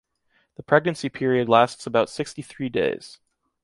The pregnancy period lasts about sixty three days.